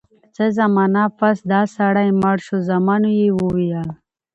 څه زمانه پس دا سړی مړ شو زامنو ئي وويل: